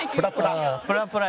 プラプラ。